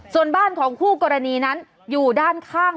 ส่วนบ้านของก็นอนี้นั้นอยู่ด้านค้า๑๙๙๘